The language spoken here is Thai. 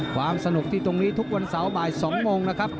ความสนุกที่ตรงนี้ทุกวันเสาร์บ่าย๒โมงนะครับ